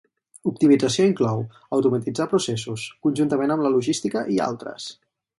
Optimització inclou, automatitzar processos, conjuntament amb la logística i altres.